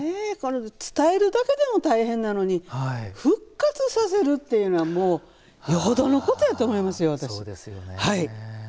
伝えるだけでも大変なのに復活させるというのはよほどのことやと思いますよ、私。